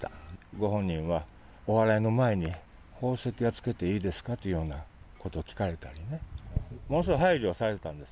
ご本人はおはらいの前に、宝石はつけていいですかというようなことを聞かれたりね、ものすごい配慮されてたんです。